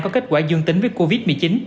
có kết quả dương tính với covid một mươi chín